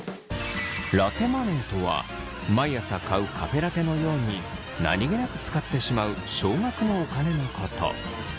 ラテマネーとは毎朝買うカフェラテのように何気なく使ってしまう少額のお金のこと。